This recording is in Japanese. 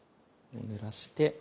ぬらして。